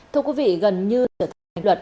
thưa quý vị gần như